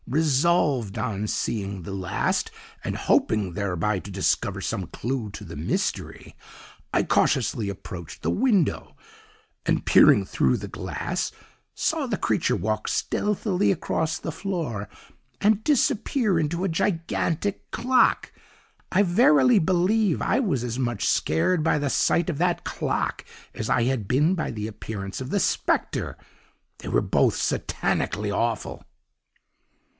Resolved on seeing the last, and hoping thereby to discover some clue to the mystery, I cautiously approached the window, and, peering through the glass, saw the creature walk stealthily across the floor and disappear into a gigantic clock. I verily believe I was as much scared by the sight of that clock as I had been by the appearance of the spectre they were both satanically awful.